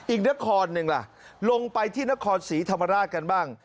อีกนครหนึ่งล่ะลงไปที่นครศรีธรรมราชกันบ้าง